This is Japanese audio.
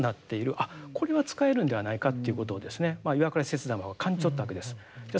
あっこれは使えるんではないかということを岩倉使節団は感じ取ったわけです。